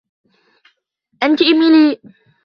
أنتِ إميلي.